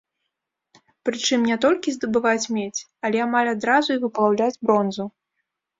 Прычым не толькі здабываць медзь, але амаль адразу і выплаўляць бронзу.